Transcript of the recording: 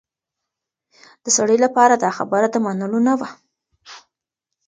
د سړي لپاره دا خبره د منلو نه وه.